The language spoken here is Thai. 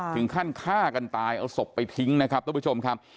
ถึงขั้นฆ่ากันตายเอาศพไปทิ้งนะครับทุกผู้ชมครับ